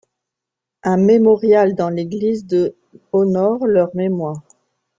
Un mémorial dans l'église de honore leurs mémoires.